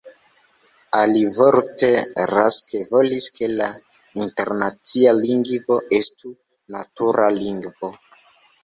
Alivorte, Rask volis ke la internacia lingvo estu natura lingvo.